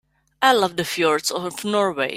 I love the fjords of Norway.